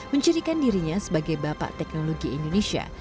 menjadikan dirinya sebagai bapak teknologi indonesia